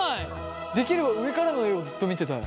できれば上からの画をずっと見てたい。